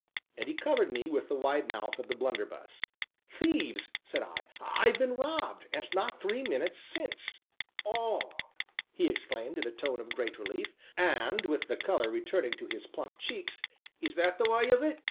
and he covered me with the wide mouth of the blunderbuss. "Thieves!" said I, "I've been robbed, and not three minutes since." "Ah!" he exclaimed, in a tone of great relief, and with the color returning to his plump cheeks, "is that the way of it?"